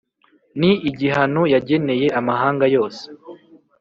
ni igihano yageneye amahanga yose.